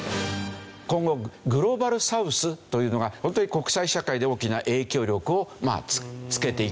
今後グローバルサウスというのがホントに国際社会で大きな影響力をつけていく事になるだろう。